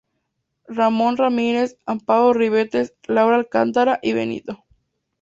Ramón Ramírez, Amparo Ribetes, Laura Alcántara y Benito.